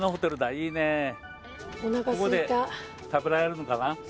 ここで食べられるのかな。